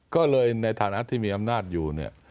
ก็เลยในฐานะที่มีอำนาจอยู่เนี่ย